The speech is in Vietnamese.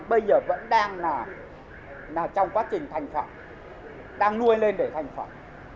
bây giờ vẫn đang là trong quá trình thành phẩm đang nuôi lên để thành phẩm